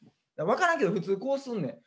分からんけど普通こうすんねん。